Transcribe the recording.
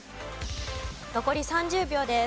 残り３０秒です。